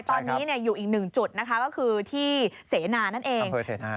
ตอนนี้อยู่อีกหนึ่งจุดนะคะก็คือที่เสนานั่นเอง